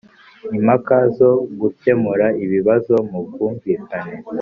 impaka zo gukemura ibibazo mu bwumvikane